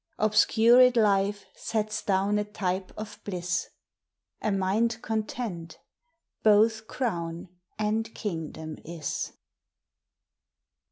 Obscured life sets down a type of bliss ; A mind content both crown and kingdom is.